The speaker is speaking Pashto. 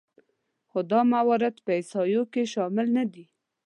خو دا موارد په احصایو کې شامل نهدي